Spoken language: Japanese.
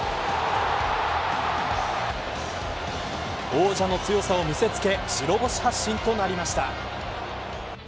王者の強さを見せつけ白星発進となりました。